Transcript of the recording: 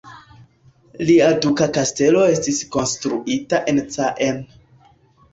Lia duka kastelo estis konstruita en Caen.